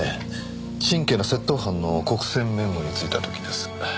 ちんけな窃盗犯の国選弁護についた時です。